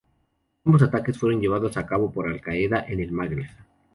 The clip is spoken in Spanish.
Ambos ataques fueron llevados a cabo por Al-Qaeda en el Magreb.